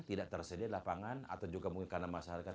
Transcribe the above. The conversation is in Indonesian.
tidak tersedia lapangan atau juga mungkin karena masyarakat